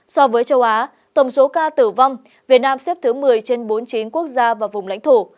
so với châu á tổng số ca tử vong việt nam xếp thứ một mươi trên bốn mươi chín quốc gia và vùng lãnh thổ